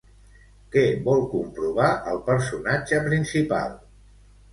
Què vol comprovar el personatge principal?